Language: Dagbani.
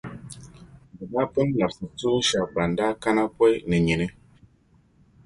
Bɛ daa pun labsi tuun’ shεba ban daa kana pɔi ni nyini.